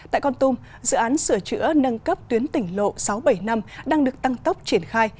tại con tum dự án sửa chữa nâng cấp tuyến tỉnh lộ sáu trăm bảy mươi năm đang được tăng tốc triển khai